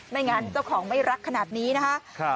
ไม่งั้นเจ้าของไม่รักขนาดนี้นะคะ